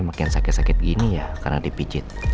makin sakit sakit gini ya karena dipijit